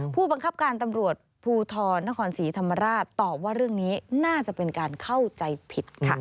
ผู้บังคับการตำรวจภูทรนครศรีธรรมราชตอบว่าเรื่องนี้น่าจะเป็นการเข้าใจผิดค่ะ